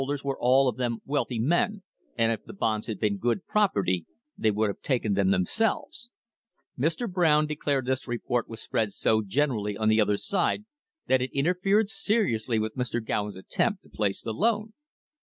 Station 3 was added to increase were all of them wealthy men, and if the bonds had been good property they would have taken them themselves. Mr. Brown declared this report was spread so generally on the other side that it interfered seriously with Mr. Gowen's attempt to place the loan.